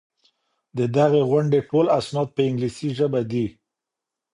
د دغي غونډې ټول اسناد په انګلیسي ژبه دي.